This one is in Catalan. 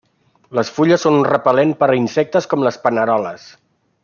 Les fulles són un repel·lent per insectes com les paneroles.